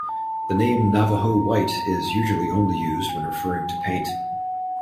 The name "Navajo White" is usually only used when referring to paint.